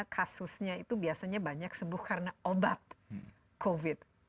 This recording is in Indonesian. kasusnya itu biasanya banyak sembuh karena obat covid